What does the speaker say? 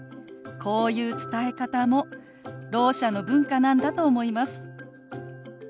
こういう伝え方もろう者の文化なんだと思います。